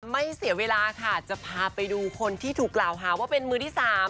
ไม่เสียเวลาค่ะจะพาไปดูคนที่ถูกกล่าวหาว่าเป็นมือที่๓